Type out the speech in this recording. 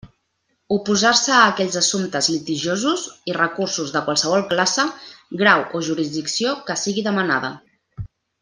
Oposar-se a aquells assumptes litigiosos i recursos de qualsevol classe, grau o jurisdicció que sigui demanada.